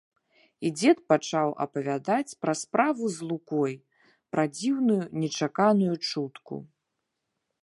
І дзед пачаў апавядаць пра справу з лукой, пра дзіўную, нечаканую чутку.